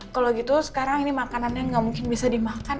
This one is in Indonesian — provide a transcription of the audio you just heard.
kalau gitu sekarang ini makanannya nggak mungkin bisa dimakan